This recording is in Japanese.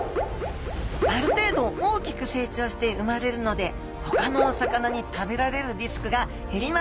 ある程度大きく成長して産まれるのでほかのお魚に食べられるリスクが減ります。